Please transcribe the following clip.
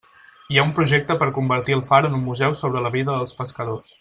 Hi ha un projecte per a convertir el far en un museu sobre la vida dels pescadors.